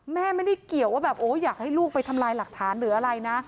แม่ไม่ได้เกี่ยวว่าแบบโอ้อยากให้ลูกไปทำลายหลักฐานหรืออะไรนะ